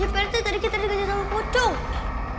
ya perintah tadi kita dikunci sama wacong